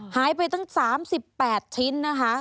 หายไปตั้ง๓๘ชิ้นนะคะ